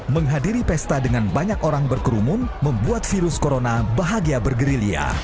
menghadiri pesta dengan banyak orang berkerumun membuat virus corona bahagia bergerilya